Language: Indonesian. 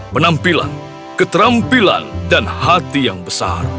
penampilan keterampilan dan hati yang besar